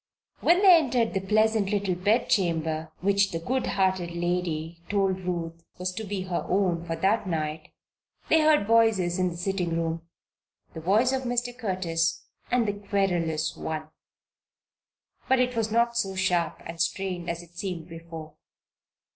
When they returned from the pleasant little bed chamber which the good hearted lady told Ruth was to be her own for that night, they heard voices in the sitting room the voice of Mr. Curtis and the querulous one. But it was not so sharp and strained as it seemed before.